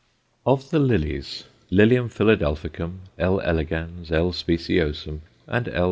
Of the lilies, Lilium Philadelphicum, L. elegans, L. speciosum, and _L.